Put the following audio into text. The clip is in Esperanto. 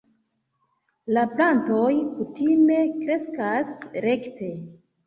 La plantoj kutime kreskas rekte.